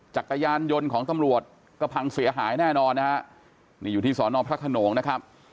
จักรยานยนต์ของตำรวจก็พังเสียหายแน่นอนนะฮะนี่อยู่ที่สอนอพระขนงนะครับ